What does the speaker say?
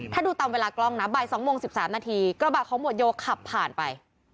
ถ้าดูตามเวลากล้องนะบ่าย๒โมง๑๓นาทีกระบะของหมวดโยขับผ่านไป